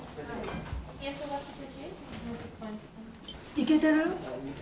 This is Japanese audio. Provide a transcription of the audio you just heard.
いけてる？